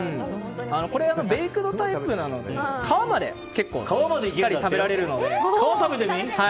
これベイクドタイプなので皮まで結構しっかり食べられるので。